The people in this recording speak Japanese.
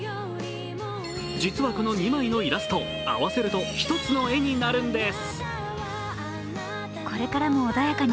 実はこの２枚のイラスト、合わせると１つの絵になるんです。